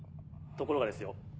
ところがですよ